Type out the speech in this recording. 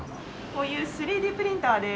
こういう３Ｄプリンターで。